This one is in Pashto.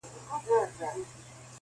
زموږ نصیب به هم په هغه ورځ پخلا سي-